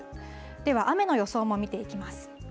では、雨の予想も見ていきます。